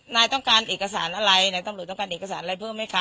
นายต้องการเอกสารอะไรนายตำรวจต้องการเอกสารอะไรเพิ่มไหมคะ